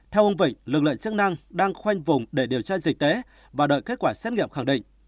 theo ông vịnh lực lượng chức năng đang khoanh vùng để điều tra dịch tễ và đợi kết quả xét nghiệm khẳng định